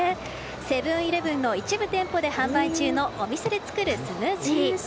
セブン‐イレブンの一部店舗で販売中のお店で作るスムージー。